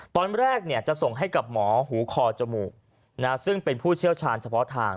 ตอนแรกจะส่งให้กับหมอหูคอจมูกซึ่งเป็นผู้เชี่ยวชาญเฉพาะทาง